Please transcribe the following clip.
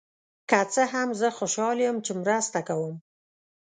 که څه هم، زه خوشحال یم چې مرسته کوم.